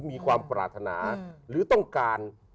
มีความปรารถนาหรือต้องการ